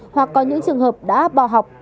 hoặc có những trường hợp đã bò học